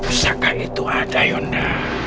pusaka itu ada yunda